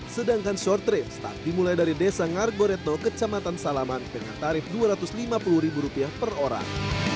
sedangkan shorthrift start dimulai dari desa ngargoretno kecamatan salaman dengan tarif rp dua ratus lima puluh ribu rupiah per orang